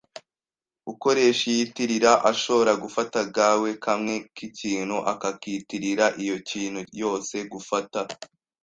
Ukoresha iyitirira ashoora gufata agae kamwe k’ikintu akakitirira iyo kintu yose gufata